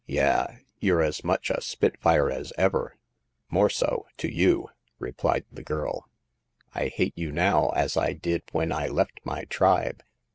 Yah ! You're as much a spitfire as ever !"*' More so — to you !" replied the girl. I hate you now as I did when I left my tribe.